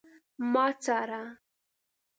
ما څاره